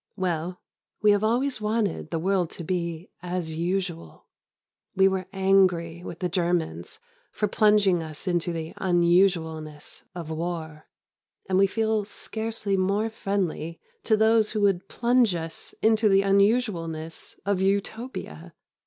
Well, we have always wanted the world to be "as usual." We were angry with the Germans for plunging us into the unusualness of war, and we feel scarcely more friendly to those who would plunge us into the unusualness of Utopia.